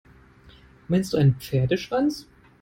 Meinst du einen Pferdeschwanz?